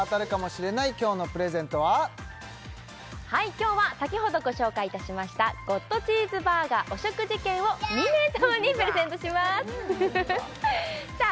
今日は先ほどご紹介いたしましたＧＯＤチーズバーガーお食事券を２名様にプレゼントしますさあ